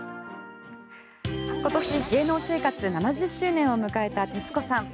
今年、芸能生活７０周年を迎えた徹子さん。